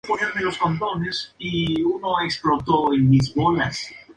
Nacido en París, Francia, era hijo de un arquitecto parisino.